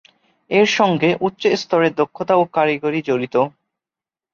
এর সঙ্গে উচ্চ স্তরের দক্ষতা এবং কারিগরি জড়িত।